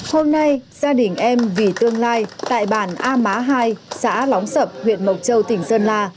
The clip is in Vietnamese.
hôm nay gia đình em vì tương lai tại bản a má hai xã lóng sập huyện mộc châu tỉnh sơn la